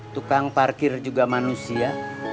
tukang parkir juga manusia